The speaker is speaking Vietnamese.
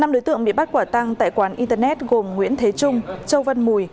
năm đối tượng bị bắt quả tăng tại quán internet gồm nguyễn thế trung châu văn mùi